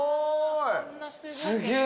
すげえ。